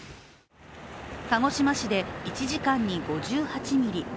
鹿児島市で１時間に５８ミリ